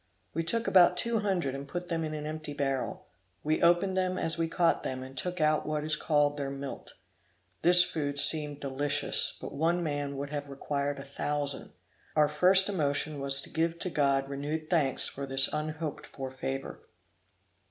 We took about two hundred and put them in an empty barrel; we opened them as we caught them, and took out what is called their milt. This food seemed delicious: but one man would have required a thousand. Our first emotion was to give to God renewed thanks for this unhoped for favor.